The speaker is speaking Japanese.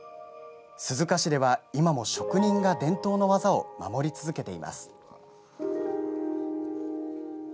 鈴鹿市では、今も職人が伝統の技を守り続けています。